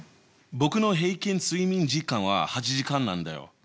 僕の平均睡眠時間は８時間なんだよ。